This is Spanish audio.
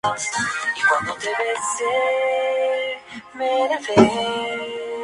El órgano ejecutivo de la provincia es el gobernador.